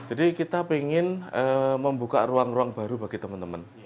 jadi kita ingin membuka ruang ruang baru bagi teman teman